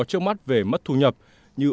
trước mắt về mất thu nhập như